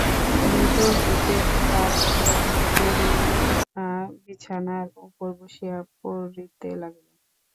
ভিতর হইতে দ্বার বন্ধ করিয়া বিছানার উপর বসিয়া পড়িতে লাগিল।